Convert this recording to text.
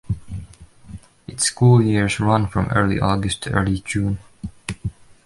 Its school years run from early August to early June.